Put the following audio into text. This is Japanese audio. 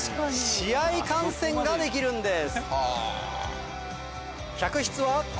試合観戦ができるんです。